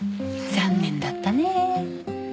残念だったねぇ。